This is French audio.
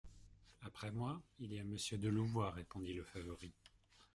Après moi, il y a Monsieur de Louvois, répondit le favori.